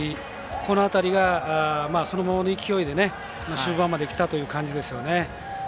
この辺りが、そのままの勢いで終盤まできたという感じですね。